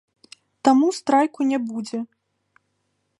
Таму страйку не будзе.